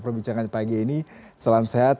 perbincangan pagi ini salam sehat